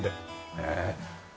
ねえ。